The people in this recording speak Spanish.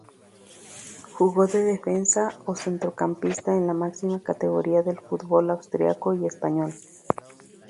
Jugó de defensa o centrocampista en la máxima categoría del fútbol austríaco y español.